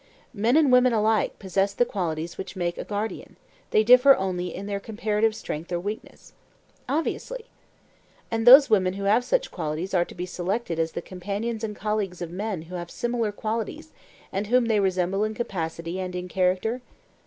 Men and women alike possess the qualities which make a guardian; they differ only in their comparative strength or weakness. Obviously. And those women who have such qualities are to be selected as the companions and colleagues of men who have similar qualities and whom they resemble in capacity and in character?